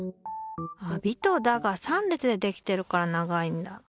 あ「び」と「だ」が３列でできてるから長いんだ。